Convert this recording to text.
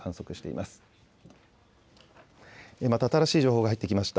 また新しい情報が入ってきました。